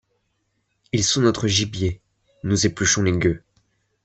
Ils sont notre gibier ; nous épluchons les gueux ;